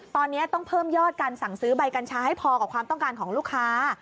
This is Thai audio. ตอนนี้ต้องเพิ่มยอดการสั่งซื้อใบกัญชาให้พอกับความต้องการของลูกค้า